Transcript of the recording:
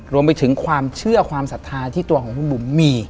รวมไปถึงความเชื่อความศรัทธาที่ตัวของคุณบุ๋มมี